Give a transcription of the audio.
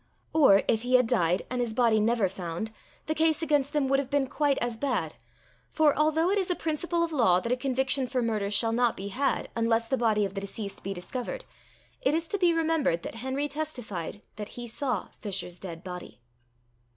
Or, if he had died, and his body never found, the case against them would have been quite as bad, for, although it is a principle of law that a conviction for murder shall not be had, unless the body of the deceased be discovered, it is to be remembered, that Henry testified that he saw Fisher's dead body.